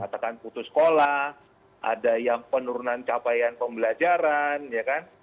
katakan putus sekolah ada yang penurunan capaian pembelajaran ya kan